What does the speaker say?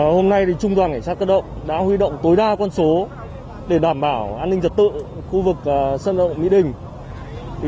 hôm nay trung đoàn cảnh sát cơ động đã huy động tối đa con số để đảm bảo an ninh trật tự khu vực sân vận động mỹ đình